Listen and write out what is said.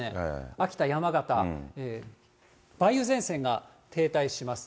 秋田、山形、梅雨前線が停滞します。